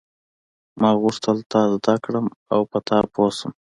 ما غوښتل تا زده کړم او په تا پوه شم.